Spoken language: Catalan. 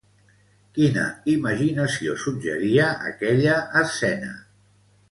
Quina imaginació suggeria aquella escena?